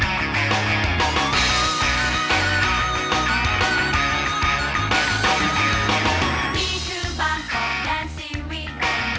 ไม่ไปต่อเขาแต่หลักไม่รื้อ